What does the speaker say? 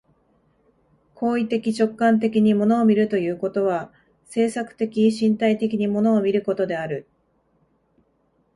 行為的直観的に物を見るということは、制作的身体的に物を見ることである。